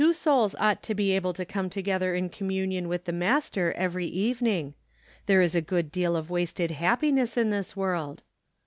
Ill 3. Two souls ought to be able to come together in communion with the Master every evening. There is a good deal of wasted happiness in this world.